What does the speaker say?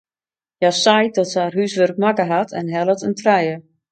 Hja seit dat se har húswurk makke hat en hellet in trije.